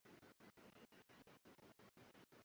Kwa hiyo, nitawapa jaribio jazilizi.